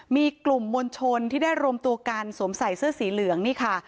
มีกลุ่มมวลชนที่ได้รวมตัวกันสวมใส่เสื้อสีเหลืองนี่ค่ะ